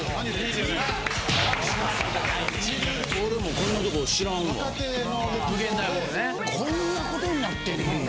こんなことになってんの今。